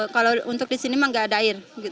kalau untuk di sini memang nggak ada air